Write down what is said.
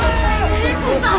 映子さん